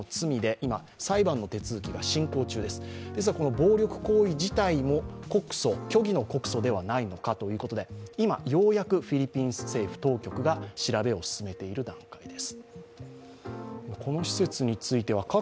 暴力行為自体も虚偽の告訴ではないかということで、今、ようやくフィリピン政府当局が調べを進めているところです。